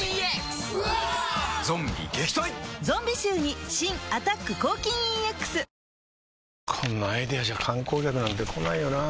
ゾンビ臭に新「アタック抗菌ＥＸ」こんなアイデアじゃ観光客なんて来ないよなあ